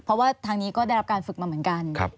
เพราะว่าทางนี้ก็ได้รับการฝึกมาเหมือนกัน